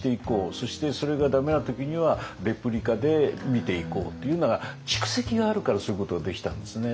そしてそれが駄目な時にはレプリカで見ていこうっていうのが蓄積があるからそういうことができたんですね。